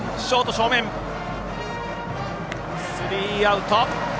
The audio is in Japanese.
スリーアウト。